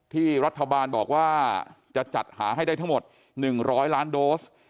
ที่รัฐบาลบอกว่าจะจัดหาให้ได้ทั้งหมด๑๐๐ล้านโดส